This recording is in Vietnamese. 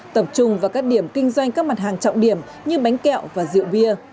tập trung vào các điểm kinh doanh các mặt hàng trọng điểm như bánh kẹo và rượu bia